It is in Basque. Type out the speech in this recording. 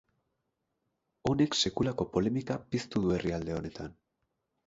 Honek sekulako polemika piztu du herrialde honetan.